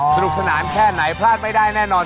สนุกสนานแค่ไหนพลาดไม่ได้แน่นอน